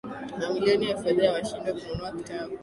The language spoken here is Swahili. Mamilioni ya fedha na washindwe kununua kitabu.